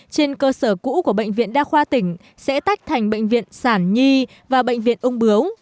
trên cơ sở cũ của bệnh viện đa khoa tỉnh sẽ tách thành bệnh viện sản nhi và bệnh viện ung bướu